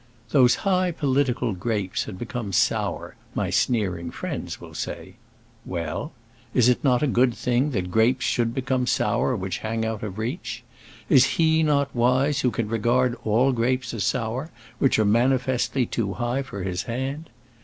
Those high political grapes had become sour, my sneering friends will say. Well? Is it not a good thing that grapes should become sour which hang out of reach? Is he not wise who can regard all grapes as sour which are manifestly too high for his hand?